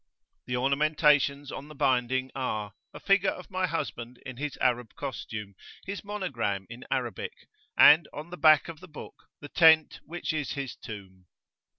The ornamentations on the binding are, a figure of my husband in his Arab costume, his monogram in Arabic, and, on the back of the book, the tent which is his tomb.